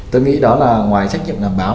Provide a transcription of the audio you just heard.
tôi nghĩ đó là ngoài trách nhiệm làm báo